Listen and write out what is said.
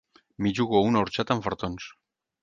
M'hi jugo una orxata amb fartons.